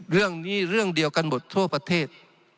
เรื่องนี้เรื่องเดียวกันหมดทั่วประเทศ